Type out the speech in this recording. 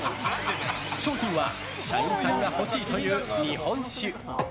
賞品は社員さんが欲しいという日本酒。